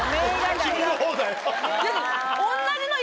君の方だよ。